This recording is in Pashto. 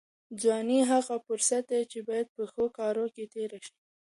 ځواني هغه فرصت دی چې باید په ښو کارونو کې تېر شي.